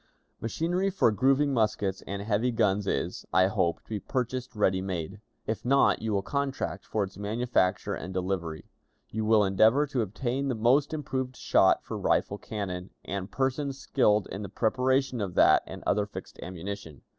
"Machinery for grooving muskets and heavy guns is, I hope, to be purchased ready made. If not, you will contract for its manufacture and delivery. You will endeavor to obtain the most improved shot for rifled cannon, and persons skilled in the preparation of that and other fixed ammunition.